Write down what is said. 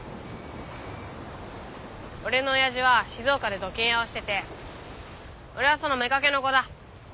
俺の親父は静岡で土建屋をしてて俺はその妾の子だ。